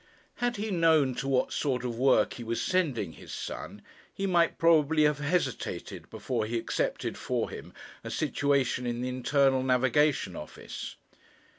Had he known to what sort of work he was sending his son, he might probably have hesitated before he accepted for him a situation in the Internal Navigation Office.